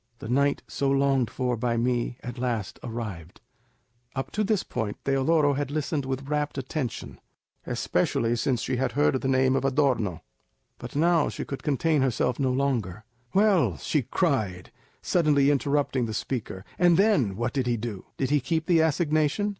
The night so longed for by me at last arrived—" Up to this point Teodoro had listened with rapt attention, especially since she had heard the name of Adorno, but now she could contain herself no longer. "Well," she cried, suddenly interrupting the speaker, "and then, what did he do? Did he keep the assignation?